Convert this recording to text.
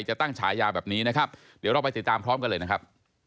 จะตั้งฉายาแบบนี้นะครับเดี๋ยวเราไปติดตามพร้อมกันเลยนะครับ